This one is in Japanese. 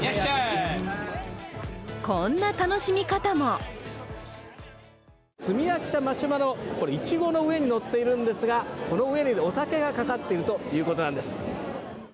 こんな楽しみ方も炭焼きしたマシュマロ、これいちごの上にのっているんですが、この上にお酒がかかっているということなんです。